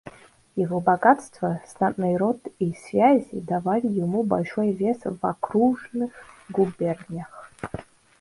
Его богатство, знатный род и связи давали ему большой вес в окружных губерниях.